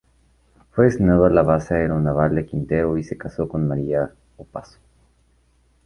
Fue destinado a la base aeronaval de Quintero y se casó con María Opazo.